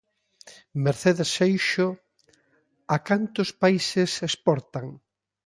Mercedes Seixo a cantos países exportan?